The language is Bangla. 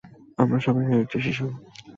আমরা সবাই এক একটি শিশু।